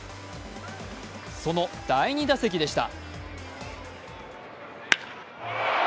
その第２打席でした。